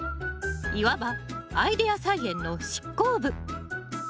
いわばアイデア菜園の執行部！